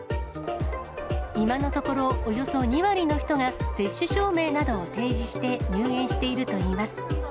今のところ、およそ２割の人が接種証明などを提示して、入園しているといいます。